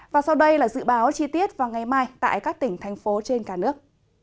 và sau đây là dự báo chi tiết vào ngày mai tại các tỉnh thành phố trên cả nước